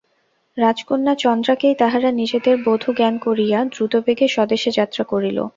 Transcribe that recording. রাজকন্যা চন্দ্রাকেই তাহারা নিজেদের বধূ জ্ঞান করিয়া দ্রুতবেগে স্বদেশে যাত্রা করিল।